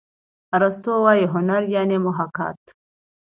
ارستو وايي هنر یعني محاکات.